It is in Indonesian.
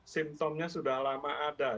simptomnya sudah lama ada